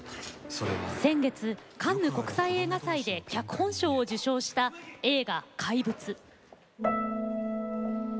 先月、カンヌ国際映画祭で脚本賞を受賞した映画「怪物」。